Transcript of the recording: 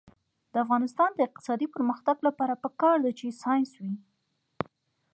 د افغانستان د اقتصادي پرمختګ لپاره پکار ده چې ساینس وي.